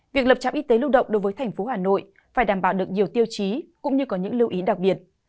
việc lập trạm y tế lưu động đối với thành phố hà nội phải đảm bảo được nhiều tiêu chí cũng như có những lưu ý đặc biệt